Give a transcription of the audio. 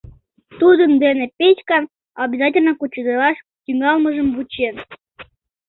Тудын дене Петькан обязательно кучедалаш тӱҥалмыжым вучен.